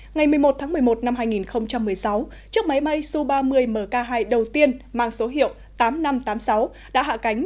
ngày một mươi một tháng một mươi một năm hai nghìn một mươi sáu chiếc máy bay su ba mươi mk hai đầu tiên mang số hiệu tám nghìn năm trăm tám mươi sáu đã hạ cánh